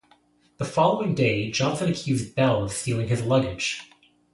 The following day Johnson accused Bell of stealing his luggage.